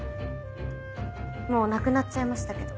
もう亡くなっちゃいましたけど。